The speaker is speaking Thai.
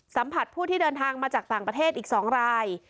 สัมผัสผู้ที่เดินทางมาจากต่างประเทศอีก๒ราย